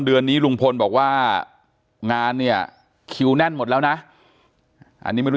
เดือนนี้ลุงพลบอกว่างานเนี่ยคิวแน่นหมดแล้วนะอันนี้ไม่รู้